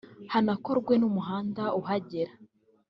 hanakorwe n’umuhanda uhagera